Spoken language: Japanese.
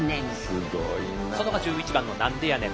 外が１１番のナンデヤネン。